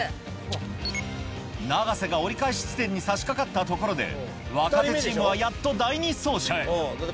永瀬が折り返し地点にさしかかったところで、若手チームはやっと第２走者へ。